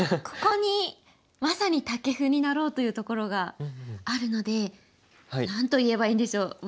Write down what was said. ここにまさにタケフになろうというところがあるので何と言えばいいんでしょう。